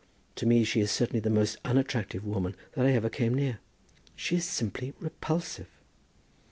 To me she is certainly the most unattractive woman that I ever came near. She is simply repulsive!"